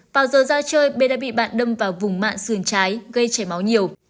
vào giờ ra chơi b đã bị bạn đâm vào vùng mạng xườn trái gây chảy máu nhiều